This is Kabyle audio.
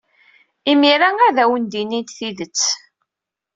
Imir-a ad awen-d-inint tidet.